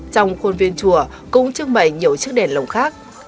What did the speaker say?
trong khuôn viên chùa cũng trưng bày nhiều chiếc đèn lồng khác